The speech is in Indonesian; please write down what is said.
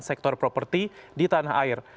sektor properti di tanah air